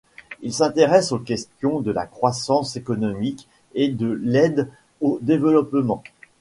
Il s'intéresse aux questions de la croissance économique et de l'aide au développement.